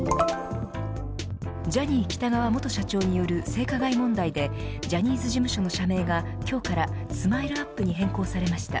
ジャニー喜多川元社長による性加害問題でジャニーズ事務所の社名が今日からＳＭＩＬＥ−ＵＰ．に変更されました。